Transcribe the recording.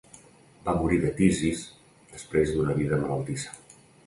Va morir de tisis després d'una vida malaltissa.